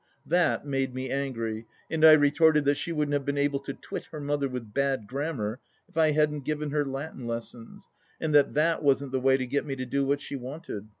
That made me angry, and I retorted that she wouldn't have been able to twit her mother with bad grammar if I hadn't given her Latin lessons, and that that wasn't the way to get me to do what she wanted.